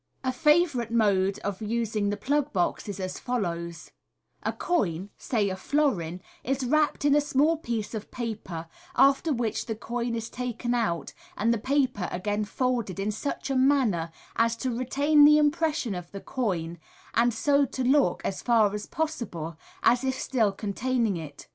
A favourite mode of using the plug box is as follows :— A coin (say a florin) is wrapped in a small piece of paper, after which the coin is taken out and the paper again folded in such a manner as to retain the impression of the coin, and so to look, as far as possible, as if still containing it.